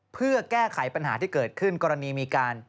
เพื่อแก้ไขปัญหาที่เกิดขึ้นกรณีมีการ